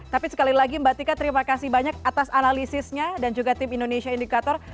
tapi sekali lagi mbak tika terima kasih banyak atas analisisnya dan juga tim indonesia indikator